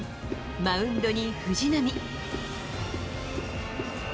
マウンドに藤浪。